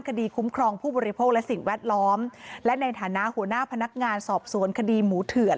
คดีคุ้มครองผู้บริโภคและสิ่งแวดล้อมและในฐานะหัวหน้าพนักงานสอบสวนคดีหมูเถื่อน